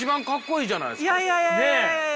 いやいやいやいや。